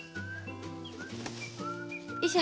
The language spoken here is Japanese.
よいしょ。